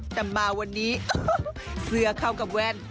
แต่มาวันนี้เสื้อเข้ากับแว่น